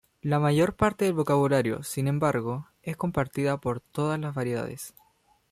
La mayor parte del vocabulario, sin embargo, es compartida por todas las variedades.